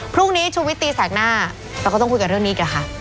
พรุ่งนี้ชุวิตตีแสกหน้าเราก็ต้องคุยกับเรื่องนี้อีกค่ะ